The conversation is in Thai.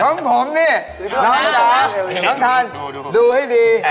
ของผมนี่น้องจ๋าน้องทันดูให้ดี